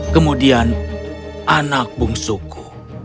kemudian anak bungsuku